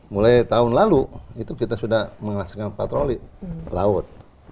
mulai tahun lalu itu kita sudah menghasilkan patroli laut